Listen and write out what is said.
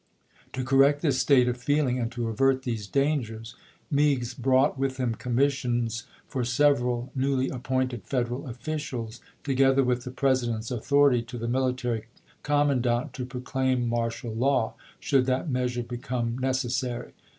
^ To correct this state of feeling and to avert these dangers, Meigs brought with him commissions for several newly appointed Federal officials, together with the President's authority to the military commandant to proclaim martial law, should that measure become necessary.